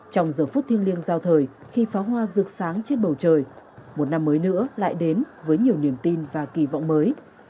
trong giờ phút thiêng liêng giao thời khi pháo hoa rực sáng trên bầu trời một năm mới nữa lại đến với nhiều niềm tin và kỳ vọng mới